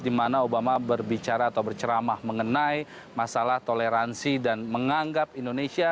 di mana obama berbicara atau berceramah mengenai masalah toleransi dan menganggap indonesia